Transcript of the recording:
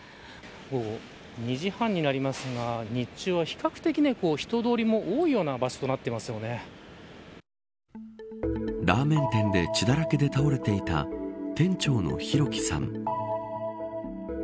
午後２時半になりますが日中は比較的人通りも多いようなラーメン店で血だらけで倒れていた店長の弘輝さん。